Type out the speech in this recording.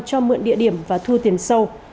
cho mượn địa điểm và thu tiền sâu